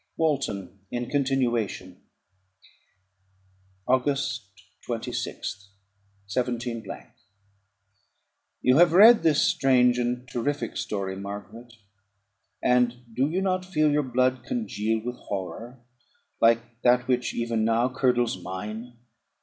WALTON, in continuation. August 26th, 17 . You have read this strange and terrific story, Margaret; and do you not feel your blood congeal with horror, like that which even now curdles mine?